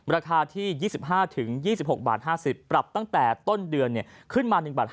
ราคาที่๒๕๒๖บาท๕๐ปรับตั้งแต่ต้นเดือน